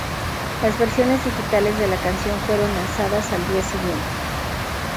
Las versiones digitales de la canción fueron lanzadas al día siguiente.